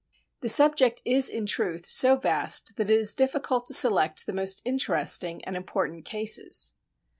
The subject is in truth so vast that it is difficult to select the most interesting and important cases.